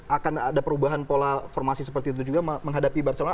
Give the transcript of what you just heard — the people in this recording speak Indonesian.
apakah anda melihat akan ada perubahan pola formasi seperti itu juga menghadapi barcelona